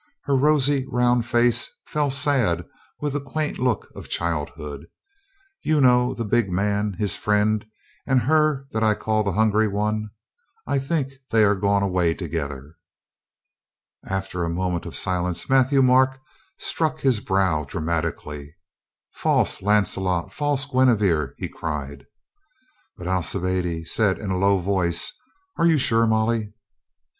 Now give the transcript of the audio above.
Her rosy, round face fell sad with a. quaint look of childhood. "You know the big man, his friend, and her that I call the hungry one? I think they are gone away together." After a moment of silence Matthieu Marc struck his brow dramatically. "False Lancelot! False Guinevere!" he cried. But Alcibiade said in a low voice, "Are you sure, Molly?"